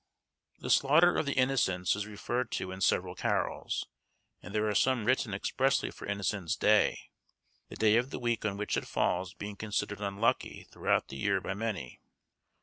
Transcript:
The slaughter of the Innocents is referred to in several carols, and there are some written expressly for Innocents' Day; the day of the week on which it falls being considered unlucky throughout the year by many.